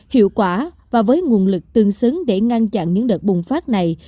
hiệu quả và với nguồn lực tương xứng để ngăn chặn những đợt bùng phát này